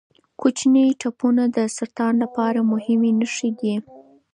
کوچني ټپونه د سرطان لپاره مهم نښې دي.